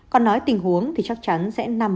còn nói tình huống thì chắc chắn sẽ nằm